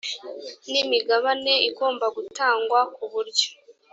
n imigabane igomba gutangwa ku buryo